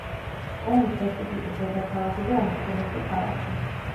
კომის რესპუბლიკის დედაქალაქი და უმსხვილესი ქალაქი.